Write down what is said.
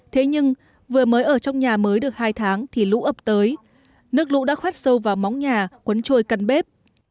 thế nhưng vừa mới ở trong nhà mới được hai tháng thì lũ ập tới nước lũ đã khoét sâu vào móng nhà cuốn trôi căn bếp